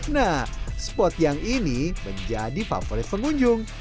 nah spot yang ini menjadi favorit pengunjung